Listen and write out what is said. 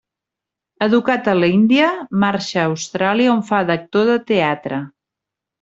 Educat a l'Índia, marxa a Austràlia on fa d'actor de teatre.